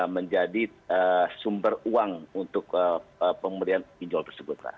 menjadi sumber uang untuk pemberian pinjol tersebut